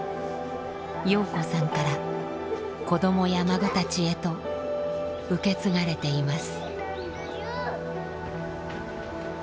洋子さんから子どもや孫たちへと受け継がれています。